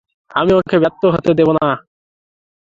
আমি ওকে ব্যর্থ হতে দেব না।